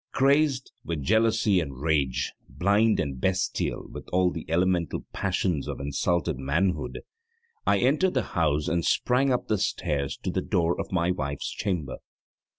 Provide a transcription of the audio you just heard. Crazed with jealousy and rage, blind and bestial with all the elemental passions of insulted manhood, I entered the house and sprang up the stairs to the door of my wife's chamber.